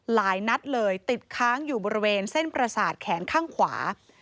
หลายนัดเลยติดค้างอยู่บริเวณเส้นประสาทแขนข้างขวา